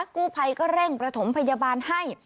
กู้ภัยก็เร่งประถมพยาบาลให้